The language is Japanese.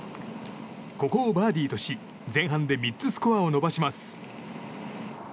ここをバーディーとし前半で３つスコアを伸ばします。